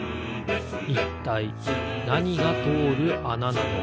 いったいなにがとおるあななのか？